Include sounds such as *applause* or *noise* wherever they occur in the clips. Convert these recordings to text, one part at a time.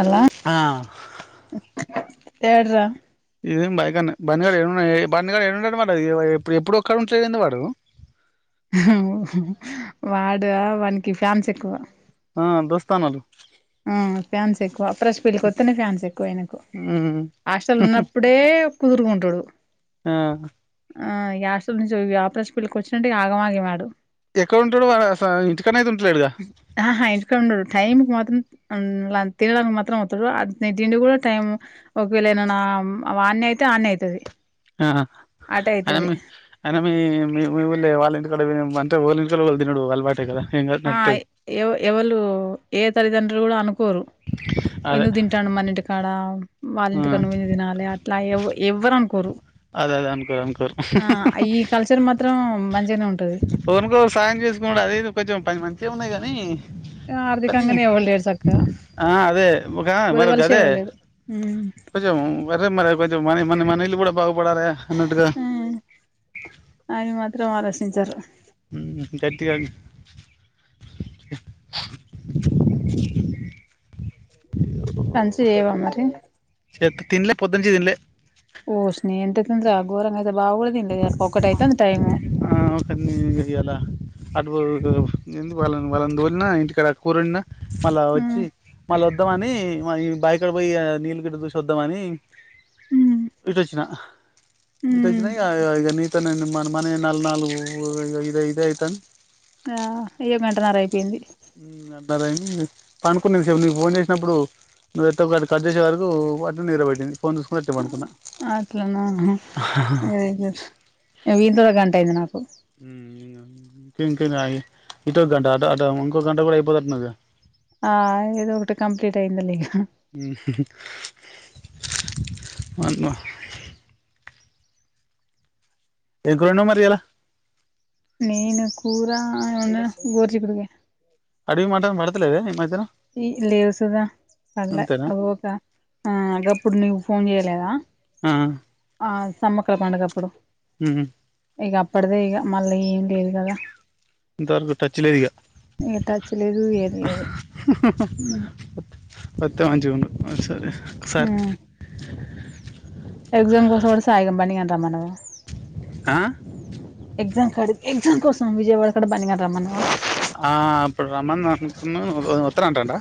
అలా అ ఏడరా ఇదమి బయగా బండిగడ ఏన్నా బండిగడ ఏన్నాడు మరిది ఇప్పుడు ఎప్పుడు ఒక్కడ ఉంటలేదంది వాడు వాడు వాకి ఫ్యామ్స్ ఎక్కువ ఆ దోస్తానాలు చెకు *unintelligible* ప్ర్రష్ పిల్లికిస్తున్నాయి ఫ్యాన్స్ ఎక్కువయి నాకు మ్మ్ హాస్టల్ ఉన్నప్పుడే కుదురుకుంటాడు ఆ ఆ యాస్ నుంచి వ్యాపార ఫీల్కి వచ్చినే ఆగమాగేవాడు ఎక్కడ ఉంట *unintelligible* ఇ ఆహా వెనక ఉండడు టైంకు మత్తం తినడానికి మాత్రం అతాడు తిండి కూడా టైం ఒకవేళనా ఆన్న అయితే ఆన్న అయితది ఆ అటే అయన అయితది మీ అయన మీళ్ళ వాళ్ళ ఇంటికాడ నడు తినడు అల్వాటే కదా *unintelligible* ఆ నడుత్తది ఎవ ఎవళ ఏ తల్లిదండ్రులన కూడా అనుకోరు అదే ఎందు తింటాను మన్నిటి కాడా ఆ వాళ్ళింటి కనుుపించని తినాలి అట్లా ఎవ ఎవ్వరును కోరు అదే అదే అనుకోరు అనుకోరు ఈ కల్చర్ మాత్రం మంచిగానే ఉంటది కొనుకో సహాయం కూడా అది ఇది కొంచెం పది మంచి ఉన్నాయి కదా హు కానీ ఆర్థికంగానే ఎవరు లేరు చక్కగా ఆ అదే ఒక మర బుదవలిసి అదే ఎవరు లేడు హ్మ్ కొంచెం మర కొంచెం మనీ మన ఇల్లు కూడా పడాల అన్నటుగా హ్మ్ చింజర్ *unintelligible* ఇంకారిటి కా *unintelligible* సంచి చేయవా మరి చేత్తో తినలే పొద్దున్నుంచి తినలే ఓసిని ఎంత ఘోరంగా బావ కూడా తినలేదు కదా ఒకటైతే టైం ఆ ఒకని ఇయ్యాల అటు వాళ్ళ వాళ్ళని తోలిన ఇంటికడ కూరడినా మళ్ళా హ్మ్ వచ్చి మళ్ళ వద్దామ అని ఈ బావిక్కడ పోయి ఆ నీళ్ళ గిడ్ చూసి వద్దాంమని హ్మ్ ఇటుచ్చిన ఇటు హ్మ్ వచ్చిన ఇ ఇ నీతానే మన నల్ నాలుగు ఇ ఇదే కుతం ఆ అయ్యో గంటన్నర అయిపోయింది పనుకున్నా ఇంతసేపు నువ్వు ఫోన్ చేసినప్పుడు నువ్వు ఎ *unintelligible* ఒక కట్ చేసే వరకు అట్నే పెట్టింది ఫోన్ చూసుకుంట అట్నె పనుకున్నా అట్లనా హ అదే లే వినితొనే గంట అయింది నాకు ఇంక ఇంక ఇకరాయే ఇంకొ గంట అట ఇంకోక గంట కూడా అయిపోయేతట్టు ఉన్నాయిగ ఆ ఇదో ఒకటి కంప్లీట్ అయిందిల్ హ అమ్మ ఎకురున్నవ్ మరి ఇయాల నేను కూరా వండిన గోరుచిక్కుడు గాయలు సరిగా మాటలు వినపడతలేదు ఈ లేవు సుదా కొనళ్లే అంతేనా ఉకే అదే అప్పుడు నీవు ఫోన్ చేయలేదా ఆ ఆ సమ్మక్కల పండుగప్పుడు ఉమ్ ఇక అప్పటిదే ఇక మళ్ళీ ఏం లేదు కదా ఇంతవరకు టచ్ లేదు ఇగ ఇంగ టచ్ లేదు ఏం లేదు మొత్తం వాంచుకొండి ఓకసారి సార్ ఎగ్జామ్ కోసం ఒకసారి సాయి గాని బన్ని గాన్ని తే మనవా ఆ ఎగ్జామ్ క *unintelligible* స్కూల్ కోసం విజయవాడ కడ బన్ని గాన్ని రమ్మన్నావా ఆ ఇప్పుడు రమ్మన్ననకున్నా వొత్తాని అంటున్నాడ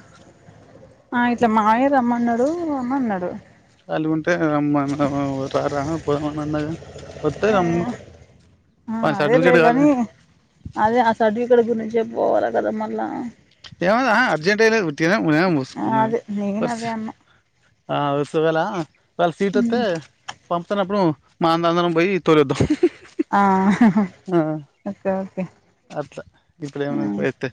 ఆ ఇట్లా మామయ్య రమ్మన్నాడు రామ్మన్నాడు వాళ్ళు ఉంటే రామ్మన్న రా రా పొరా అన్నగా వత్తే ఆ రమ్మ ఆ వాని అదే సర్టిఫికేట్ లేగాని కాలేదంటే అదే అ సర్టీఫికేట్ గురించి చెప్పు కొవాళ్ళ కదా మళ్ళా ఏమ అర్జెంటైనాలో ఉర్తున ఉ ము *inaudible* స్మ అదే నేను అదే అన్నా ఆ ఉత్సవాల *unintelligible* వాళ సీట్ వస్తే పంపన్నప్పుడు మాన అందరం పోయి తోలొద్దాం ఆ హ వునా అట్లా ఇప్పుడు ఏమ్ అయితాది అయితే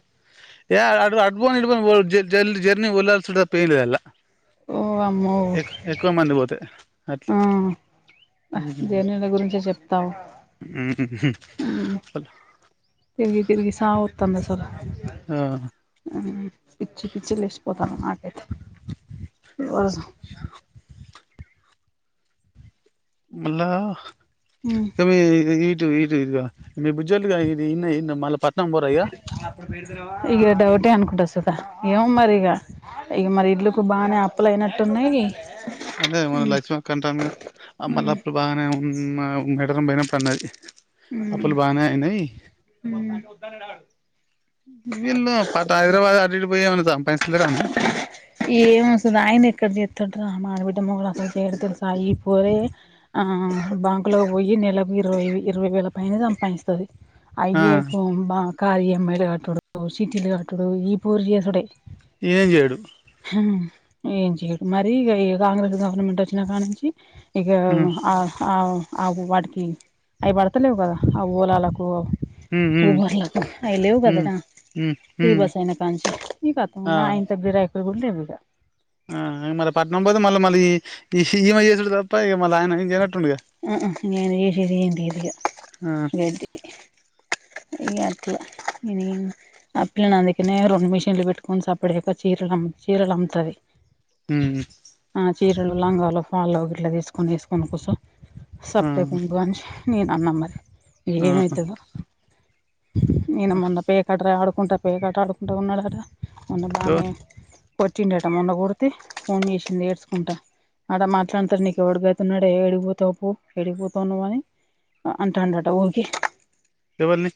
ఏ అటు పొండి ఇటు పొండి జల్ది జర్నీని వల్లసుడు పైయిన్ *unintelligible* ఇదా ఓ అమ్మో మంది పోతే అట్లా ఆ జర్నీల గురించే చెప్తావ అట్ తిరిగి తిరిగి సావువాత్తంది అసలు ఆ ఆ పిచ్చి పిచ్చి లేసి పోతన నాకైతే రోజు మళ్ళా తమ్మీ ఈ ఈ ఇటు ఇద్ ఇద్గ పోరా ఇగ ఇగ డౌటే అనుకుంట సూత ఏమో మరి ఇగ ఇగ మరి ఇండ్లుకు బాగా అప్పులయినట్టున్నాయి అదే మన లక్ష్మీక్కంటాందిగా ఆ ఉమ్ మల్లప్పులు బాగానే ఉ ఊ ఆ మెడల మెడనొప్పి అన్నది ఉమ్ అప్పులు బానే అయినయ్ ఉమ్ వీల్లెపాట్ హైదరాబాద్ అటు ఇటు పోయి సంపాఇస్ ఏమొస్తది అయనెక్కడ జేత్తుంటడు ఆ మార్వా *unintelligible* ఆ బాంకులో పోయి నెలకు ఇరవై ఇరవై వేల పైన సంపాదిస్తది. ఆ అయ్యే పోంబా కార్ ఈమ్ఐ లు కట్టుడు సీటీలు కట్టుడు ఈ పోర్ చేసుడే ఏం చేయడు. ఉ ఏం చెయ్యడు మరి ఈ కాంగ్రెస్ గవర్నమెంట్ వచ్చినాంకా నుంచి ఇక ఉమ్ ఆ ఆ ఆగు వాటికి అవి పడతలేవు గదా ఆ ఊలాలకు ఉమ్ ఉమ్ ఊబర్లకు అయ లేవు ఉమ్ కదట ఉమ్ ఫ్రీ ఉమ్ బస్ అయిన కాంచి ఇ కాతమ్ ఆ మీ రైకలు గూడ లేవిక ఆ మళ్ళ పట్నం పోతే మళ్ళ మళ్ళీ ఈ శీమ చేసుడు తప్ప ఇక మళ్ళ ఆయన ఏ చేనట్ ఉ ఉ నేను జేసేదీ ఏం లేదిగ ఆ ఇగంతే ఇంగట్లా అని ఆ పిల్లని అందుకనే రెండు మిషన్లు పెట్టుకొని సప్పుడుచయక చీరలు అమ్ చీరలు అమ్తది. ఊ చీరలు లంగాలు ఫాల్లు ఇట్లా తీసుకొని వేసుకొని కూసో ఆ సప్పే కుండని నేను అన్న మరి ఆహా ఏమయితదో నేను మొన్న పే కాటకాడ ఆడు కుంటా పేకాటాఆడుకుంటా ఉన్నాడు కదా మొన్న బానే ఎవరు వచ్చిండట మొన్న కొడితే ఫోన్ చేసింది ఏడుచుకుంటా ఆడ మాట్లాడతారు నీకు ఎవడుగతున్నడే ఎడిగిపోతావు పో ఎడిగిపోతా నువ్ అని అంటాడుట ఊరికి ఎవర్ని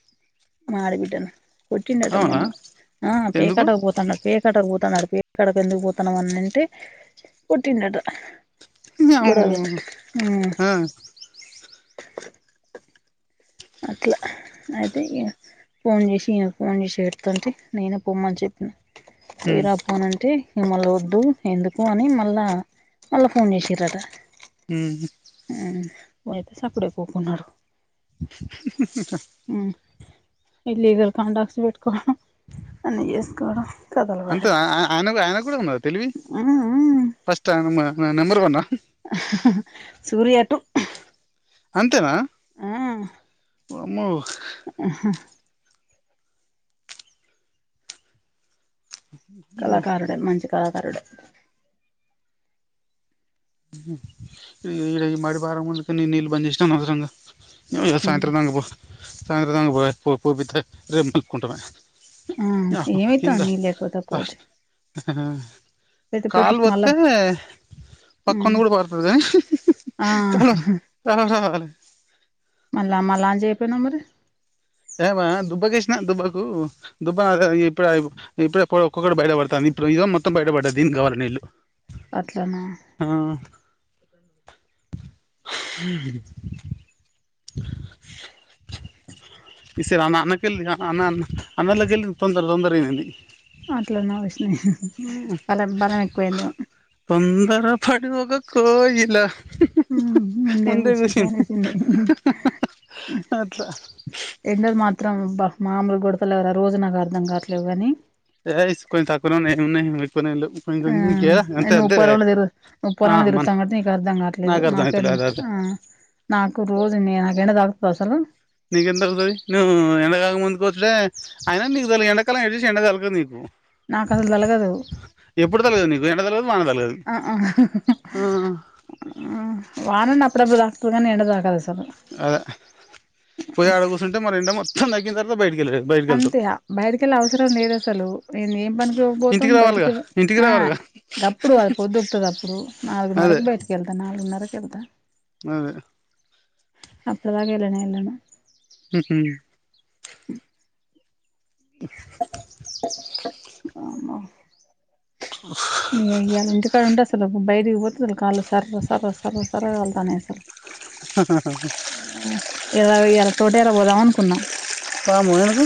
మా ఆడ బిడ్డను కొట్టిండట అవునా మొన్న ఆ ఎందుకు పేకాటకు పోతన్న పేకాటకు పోతాన్నాడు. ఎక్కడక ఎందుకు పోతాన్నాం అని అంటే కొట్టిండంట న అట్లా అయితే ఫోన్ చేసి ఈయనకి ఫోన్ చేసి ఏడుస్తుంటే నినే పొమ్మని చెప్పిన పోయిరాపోనంటే మిమ్మలి వద్దు ఎందుకు అని మళ్ళా మళ్ళా ఫోన్ చేసింరట హు వచ్చి సాప్పుడేకుకున్నారు ఇలీగల్ కాండక్స్ పెట్టుకోవడం అన్ని చేసుకోవడం కథలు అంతే పడడం ఆయన ఆయన కూడా ఉన్నద తెలివి మ్మ్ ఫస్ట్ ఆయన నెంబర్ ఈవ్ వన్ సూర్య అటు అంతేనా ఆ ఓఅమ్మో ఆా వామ్మో కళాకారుడే మంచి కలాకారుడే ఇడ ఈ మడి *unintelligible* నేను నీళ్ళు బన్జేసినాను అనవసరంగా నువ్వే ఇగ ఓసినియమ్మ సాయంత్రం దంక పో *unintelligible* ఆ ఏమైతాంది నీళ్లు లేకపోతే *unintelligible* ఆ కాల్ వాత్తే మ్మ్ పక్కోన్ని కూడా కొడతాది ఆ హుహుహు హలో రావాలి మళ్ళా మళ్ళా ఆన్ చేయకబోయినవ్ మరి ఏమ దుబ్బకేసినా దుబ్బకు దుబ్బ ఇప్పుడు ఇప్పుడే ఒకొక్కటి బయట పడతాంది ఇప్పుడు ఇదో మొత్తం బయటపడ్డది దీనికి కావాల నీళ్లు. అట్లనా ఈ సరి అన్న అన్నకెల్లి అన్న అన్న అన్నోళ్ల కెళ్లి తొందర తొందర *unintelligible* అట్లాన ఓసిని హి హి వాళ్లకు బలం ఎక్కువైందేమో ఆ ఫడి ఒక కోయిలా హుహు ముందే కూసింది *unintelligible* అట్లా ఎండలు మాత్రం అబ్బా మామూలు గొడతాలేవు రా రోజు నాకు అర్ధం కావట్లేదు కానీ యెస్ కొంచం తక్కువనే ఉన్నయ్ ఏం ఉన్నయ్ ఆను ముప్పై రోళ్ళులు తిరు ముప్పై ఆ రౌండ్లు మన తిరుగుతాం కట్టి ఇక అర్ధం కావట్లేదు నాకు అర్థం నాకే అయితలే అదే అదే ఆ నాకు రోజు నాకేం దాకుతుంది అసల్ నీకి ఎంత అగతుది నవ ఎనగాల ముందు కోస్తే అయినా నీకుదుాల ఏండకాలం ఏడి చ ఏండడాకాల నీకు నాకు అసలు తలగదు ఎప్పుడు తగలదు నీకు ఎండ తగలదు వాన తగలదు ఆ ఆ వానన్న ప్రబుదా ఉదయాన్నే ఎకాద సి అదే పోయి ఆడ కూర్చుంటే మరి ఎండ మొత్ ఛ నగ్గిన తరువాత బయటికి వెళ్ళ బయటికి వెళ్తావు అంతే బయటికెళ్ళ అవసరం లేదు అసలు నే ఏం పనికి ఇవ్వక పోతాం ఇంటికి రావాలిగా బయటికి ఇంటికి ఆ రావాలిగా గప్పుడు అది పొద్దుకుతుంది అప్పుడు నాలుగున్నరకు బయటకి వెళ్తా నాలుగున్నరకు చెప్ తా అ అప్పుడు దాకేలే నేన్ కూడా హ హ ఆనా ఆ న్య ఇయాల ఇంటి కాడ ఉంటే అసలు బైటికి పోతే అసలు కాళ్ళు స్ సర్ర్ సర్ర్ సర్ర్ సర్ కాళ్ తున్నాయి అసల్ ఇలా ఇలా తోట ఎలా పోదాం అనుకున్నాం పాము ఎందుకు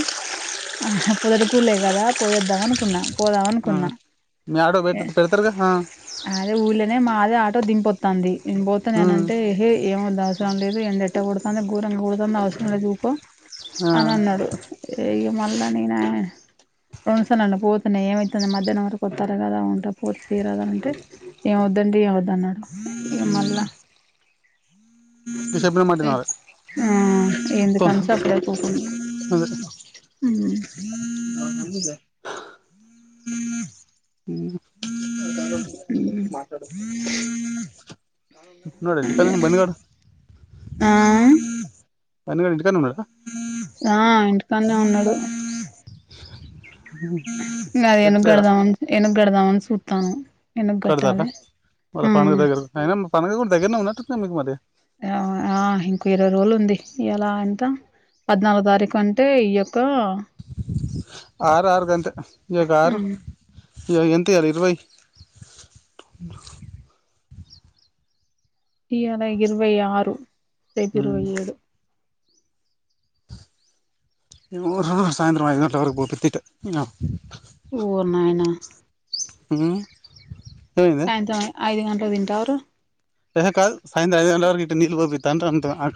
పొదరుకులే కదా పోయేద్దాం అనుకున్నాం పోదాం ఆ అనుకున్నా మీ ఆటో పె పెడతారుగా ఆ అదే ఊళ్ళనే మాదే ఆ టో దింపో త్తాంది ఏం పోత ఉమ్ దనాంటే హై ఏమవుదాస్ దాన్ లేదు ఎండట్ట కొడ్ తోంది కూర ఉడకన్ ది అవసరం లేదుఊర్కో ఆ అని అన్నాడు ఇ మళ్ళా నేనే రస్తానండి పోతున్నా ఏమవుతుంది మధ్యాహ్నం వరకు వస్తారు కదా ఉంటా పోత తీరద అంటే ఏం వద్దండి ఏం వద్ద అన్నాడు ఎ ఉమ్ మల్ల నువ్వు చెప్పిన మాట అ వినాలే ఆ ఎందు పో కాం సప్ రేపుపో అదే ఇనో అడిబుల్ ఆ హ మాట్లాడొద్ నో తెలుసా కనీం బంద్గడ ఆ తన్ని గాడు ఇంటి కాడే ఉన్నాడా ఆ ఇంటికాల్ నే ఉన్నాడు ఇగ ఏనుగుకడ్ ఎట్లేదా దామని ఏనుగు పెడదామని సుత్తాన్నం కడతాల్లా వాళ్ళ పండగ దగ్గర అయినా పండగ కూడా దగ్గరనే ఉన్నట్టుంది గా మీకు మరి ఆ ఇంకో ఇరవై రోజులు ఉంది ఇయ్యాల ఎంత పద్నాలుగో తారీఖు అంటే ఈ యొక్క ఆరారు గంతే ఇగ కారు హ్మ్ ఇయాల ఎంత ఇయాల ఇరవై ఇయాల ఇరవై ఆరు రేపు ఇరవై ఏడు సాయంత్రం ఐదుగంటల వరకు పోతోట్టితే ఓరినాయనా ఏమైంది సాయంత్రం ఐదు గంట కు తింటారు ఎహె కాదు సాయంత్రం ఐదు గంటల వరకు ఇటు నీళ్లు పోపి త్త *unintelligible*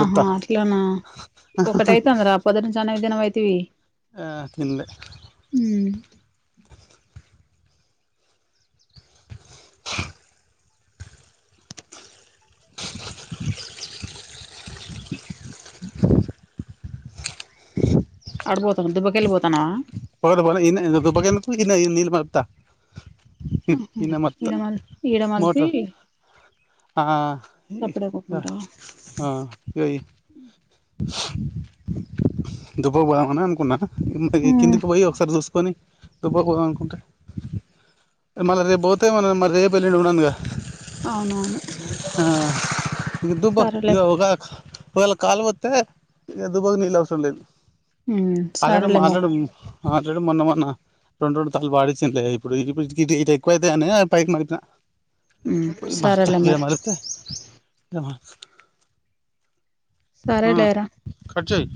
ఆహా అట్లనా ఒకటైతాందిరా పొద్దటినుంచి అన్నమే తినవైతివి *unintelligible* ఆ తిన్లే అరుపోతాన్నవా దుబ్బకేలిపోతాన్నవా పోలే పోలే ఈడ్నే దుబ్బకెందుకు ఈడ్నే నీళ్ళు మలుపుతా ఆహ ఈడ్నే మలుపుతా ఈడ మల్పి ఈడ మల్పి మోటర్ ఆ ఆహ్ ఇగ దుబ్బకు పోదామనే అనుకున్న *unintelligible* హ్మ్ కిందికు బొయి ఒకసారి జూస్ కొని దుబ్బకు పోదాం అనుకుంటే మళ్ళ రేపు బోతే మనం మరి రేపు ఎళ్ళుండి ఉండనుగా అవునవును ఆ దుబ్బ సరేలే ఇగ ఒక ఒకేలా కాల్ మ దే ఇక దుబ్బకు నీళ్లు అవసరం లేదు హ్మ్ ఆల్రెడీ సరేలే మరి మాట్లాడం మేం ఆల్రెడీ మొన్న మొన్న రొండు రొండు తలవాడిచ్చింది ఇప్పుడు ఇప్పుడు ఇటు ఎక్కువైతయి అనే అటు పైకి మలిపిన ఊమ్ మస్త సరేలే ఇడ మరి మలిపితే ఆ సరేలేరా కటచేయ్